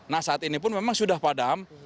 nah saat ini pun memang sudah padam